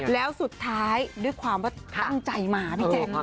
แล้วสุดท้ายด้วยความว่าตั้งใจมาพี่แจ๊ค